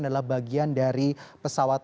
adalah bagian dari pesawat